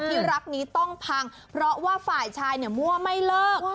ที่รักนี้ต้องพังเพราะว่าฝ่ายชายเนี่ยมั่วไม่เลิก